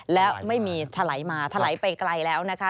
และไม่มีถลายมาถลายไปไกลแล้วนะคะ